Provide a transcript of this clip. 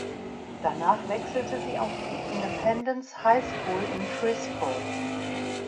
Danach wechselte sie auf die Independence High School in Frisco.